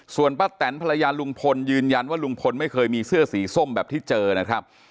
ส่วนป้าแตนภรรยาลุงพลยืนยันว่าลุงพลไม่เคยมีเสื้อสีส้มแบบที่เจอนะครับ